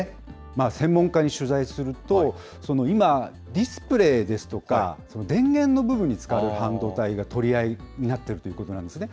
専門家に取材すると、今、ディスプレーですとか、電源の部分に使われる半導体が取り合いになっているということなんですね。